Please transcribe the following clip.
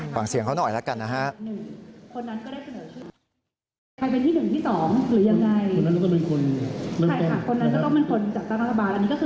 ฟังเสียงเขาหน่อยละกันนะครับ